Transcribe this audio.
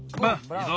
いいぞ。